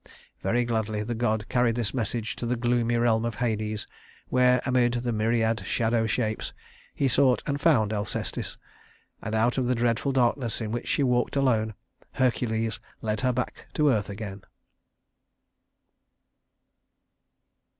Very gladly the god carried this message to the gloomy realm of Hades, where amid the myriad shadow shapes he sought and found Alcestis; and out of the dreadful darkness in which she walked alone, Hercules led her back to earth again.